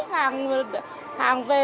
hàng về hàng về